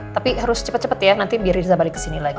tapi harus cepat cepat ya nanti biar riza balik ke sini lagi